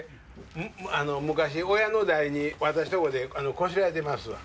昔親の代に私とこでこしらえてますわ。